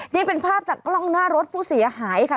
นี่เป็นภาพจากกล้องหน้ารถผู้เสียหายค่ะ